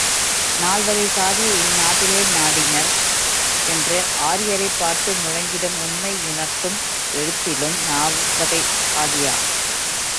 நால்வகைச் சாதியை இந்நாட்டினில் நாட்டினீர், என்று ஆரியரைப் பார்த்து முழங்கிடும் உண்மையுணர்ந்தும், எழுத்திலும் நால்வகைச் சாதியா?